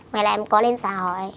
ngoài là em có lên xã hội